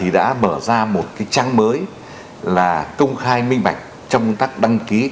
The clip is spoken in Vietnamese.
đã mở ra một trang mới công khai minh mạch trong các đăng ký đăng ký đăng ký đăng ký